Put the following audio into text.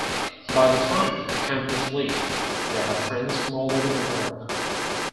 By the time the campers leave, they have friends from all over the world.